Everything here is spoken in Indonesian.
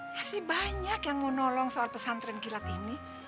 masih banyak yang mau nolong soal pesantren kilat ini